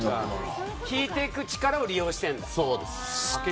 引いていく力を利用してるんだね。